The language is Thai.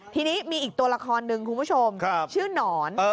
ทีนี้มีอีกตัวละครหนึ่งคุณผู้ชมชื่อหนอน